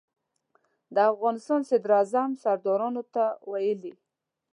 د افغانستان صدراعظم سردارانو ته ویلي.